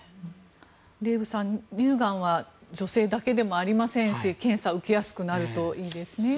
デーブさん、乳がんは女性だけではありませんし検査受けやすくなるといいですね。